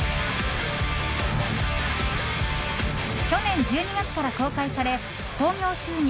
去年１２月から公開され興行収入